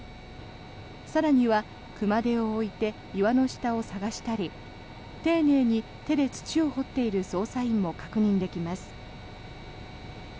更には、熊手を置いて岩の下を捜したり丁寧に手で土を掘っている捜査員も確認できます。